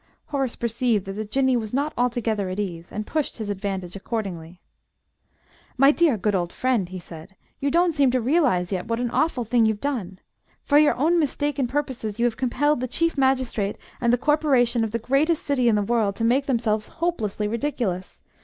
Horace perceived that the Jinnee was not altogether at ease, and pushed his advantage accordingly. "My dear good old friend," he said, "you don't seem to realise yet what an awful thing you've done. For your own mistaken purposes, you have compelled the Chief Magistrate and the Corporation of the greatest City in the world to make themselves hopelessly ridiculous.